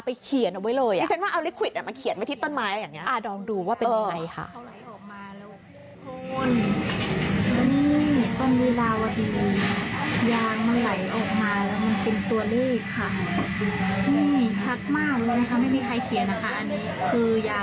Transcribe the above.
เพื่อนเธอกันดูหน่อยนะคะ